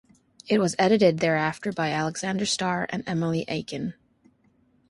It was edited thereafter by Alexander Star and Emily Eakin.